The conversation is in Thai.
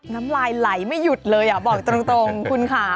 น้ำลายไหลไม่หยุดเลยอ่ะบอกตรงคุณค่ะ